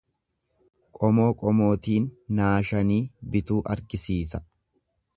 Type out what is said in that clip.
Qomoo qomootiin naashanii bituu argisiisa.